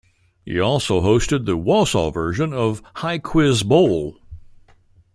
He also hosted the Wausau version of High Quiz Bowl.